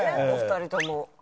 お二人とも。